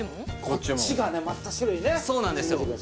こっちがねまた種類ねそうなんですよ